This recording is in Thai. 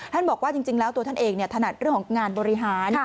บอกว่าจริงแล้วตัวท่านเองถนัดเรื่องของงานบริหาร